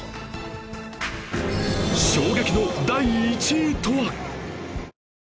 衝撃の第１位とは